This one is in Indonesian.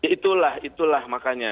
itulah itulah makanya